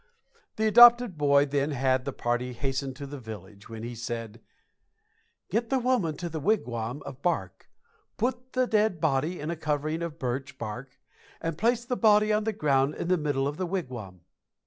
The adopted boy then had the party hasten to the village, when he said: "Get the woman to the wigwam of bark, put the dead body in a covering of birch bark, and place the body on the ground in the middle of the wigwam."